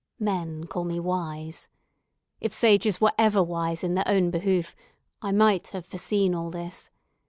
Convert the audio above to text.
Men call me wise. If sages were ever wise in their own behoof, I might have foreseen all this.